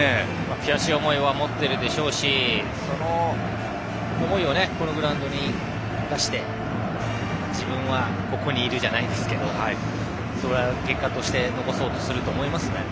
悔しい思いは持っているでしょうしその思いをこのグラウンドで出して自分はここにいるじゃないですけど結果として残そうとすると思いますね。